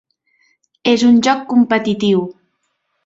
És un joc competitiu.